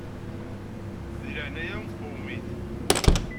Di leɛnaya-m qwem-it.